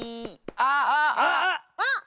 あっ！